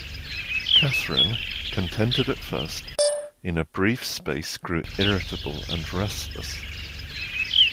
Catherine, contented at first, in a brief space grew irritable and restless.